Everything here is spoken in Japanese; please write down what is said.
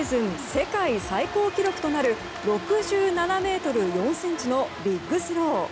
世界最高記録となる６７ｍ４ｃｍのビッグスロー。